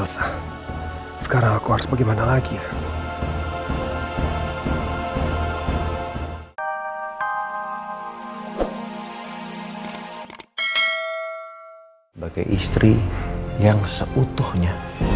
sampai jumpa di video selanjutnya